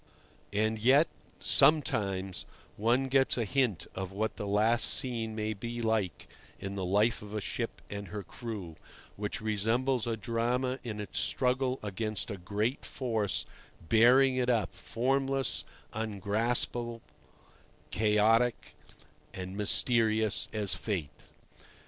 And yet sometimes one gets a hint of what the last scene may be like in the life of a ship and her crew, which resembles a drama in its struggle against a great force bearing it up, formless, ungraspable, chaotic and mysterious, as fate.